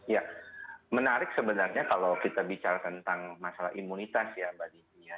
ya menarik sebenarnya kalau kita bicara tentang masalah imunitas ya mbak dini ya